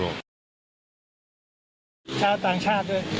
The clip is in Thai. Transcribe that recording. ส่วนมากนะ